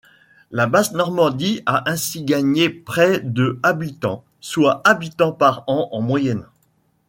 La Basse-Normandie a ainsi gagné près de habitants soit habitants par an en moyenne.